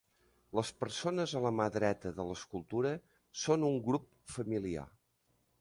Les persones a la mà dreta de l'escultura són un grup familiar.